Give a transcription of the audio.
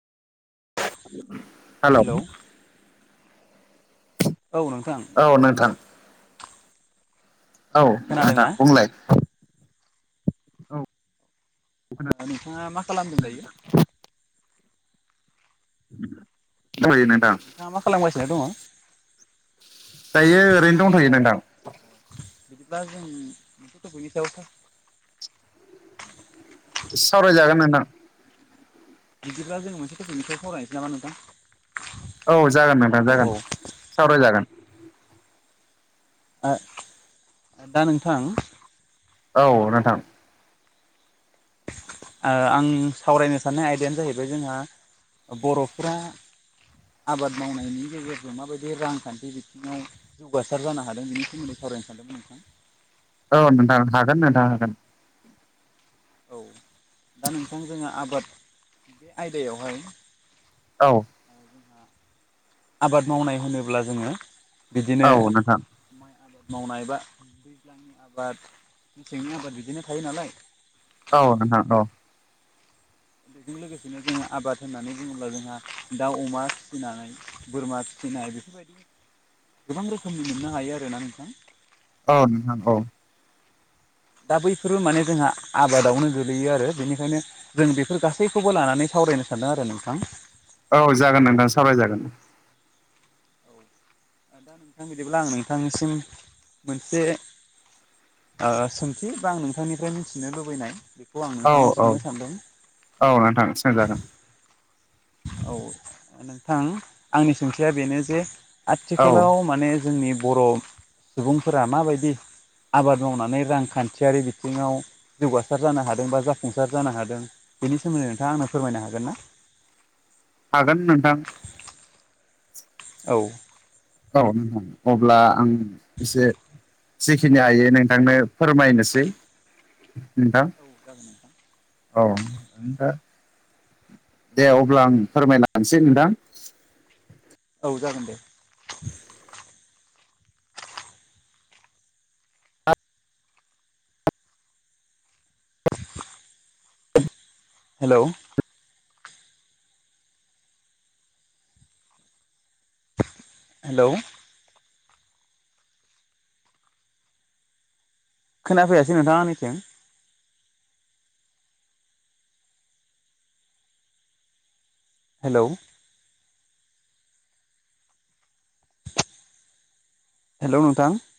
[inaudible] Hello. Hello औ नोंथां औ नोंथां औ खोनादों ना नोंथां बुंलाय। नोंथाङा मा खालामदों दायो? [inaudible] नोंथाङा मा खालामगासिनो दङ? दायो ओरैनो दंथ'यो नोंथां। बिदिबा जों [unintelligible] सावरायजागोन नोंथां। बिदिब्ला जोंङो मोनसे टपिकनि सायाव सावरायनिसै ना मा नोंथां? औ जागोन नोंथां औ जागोन सावरायजागोन। ओ-दा नोंथां औ नोंथां। ओ- आं सावरायनो साननाय आयदायानो जाहैबाय जोंहा बर'फोरा। आबाद मावनायनि गेजेरजों माबायदि रांखान्थि बिथिङाव जौगासार जानो हादों बेनि सोमोन्दै। सावरायनो सानदोंमोन नोंथां। औ नोंथां हागोन नोंथां हागोन। औ दा नोंथां जोङो आबाद बे आयदायावहाय। औ [unintelligible] जोंहा आबाद मावनाय होनोब्ला जोङो बिदिनो औ नोंथां [unintelligible] आबाद मावनाय बा दैज्लांनि आबाद मेसेंनि आबाद बिदिनो थायो नालाय औ नोंथां औ बेजों लोगोसेनो जोङो आबाद होननानै बुङोब्ला जोंहा दाउ अमा फिसिनानै बोरमा [inaudible] औ नोंथां औ दा बैफोर माने जोंहा आबादावनो गोलैयो आरो बेनिखायनो जों बेफोर गासैखौबो लानानै सावरायनो सानदों आरो नोंथां औ जागोन नोंथां सावराय जागोन औ दा नोंथां बिदिब्ला आं नोंथांनिसिम मोनसे ओ सोंथि बा आं नोंथांनिफ्राय मिथिनो लुबैनाय आं औ नोंथांनाव औ सोंनो सानदों औ नोंथां सोंजागोन औ नोंथां आंनि सोंथिया बेनो जे औ आथिखालाव माने जोंनि बर' सुबुंफोरा माबायदि आबाद मावनानै रांखान्थियारि बिथिङाव जौगासार जानो हादों बा जाफुंसार जानो हादों बेनि सोमोन्दै नोंथाङा आंनो फोरमायनो हागोन ना हागोन नोंथां औ औ नोंथां अब्ला आं इसे जिखिनि हायो नोंथांनो फोरमायनोसै नोंथां औ जागोन नोंथां औ दे अब्ला आं फोरमायनासै नोंथां औ जागोन दे हेलौ हेलौ खोनाफैयाासै नोंथां आंनिथिं हेलौ हेलौ नोंथां